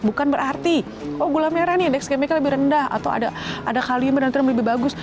bukan berarti oh gula merah ini indeks gamiknya lebih rendah atau ada kalium dan terum lebih bagus